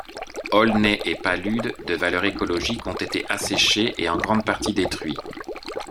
Aulnaies et paludes de valeur écologique ont été asséchés et en grande partie détruits.